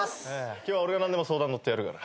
今日は俺が何でも相談に乗ってやるから。